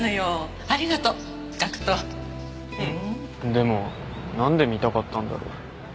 でもなんで見たかったんだろ？